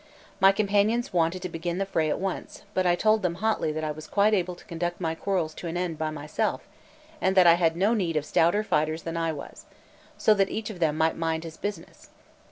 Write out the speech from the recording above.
My companions wanted to begin the fray at once; but I told them hotly that I was quite able to conduct my quarrels to an end by myself, and that I had no need of stouter fighters than I was; so that each of them might mind his business.